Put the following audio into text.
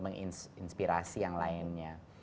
menginspirasi yang lainnya